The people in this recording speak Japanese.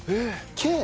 Ｋ？